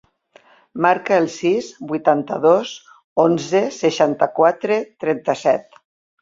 Marca el sis, vuitanta-dos, onze, seixanta-quatre, trenta-set.